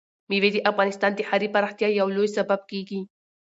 مېوې د افغانستان د ښاري پراختیا یو لوی سبب کېږي.